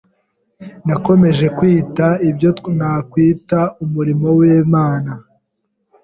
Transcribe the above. Nakomeje gukora ibyo nakwita umurimo w’Imana